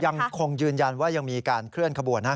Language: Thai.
ยังคงยืนยันว่ายังมีการเคลื่อนขบวนนะ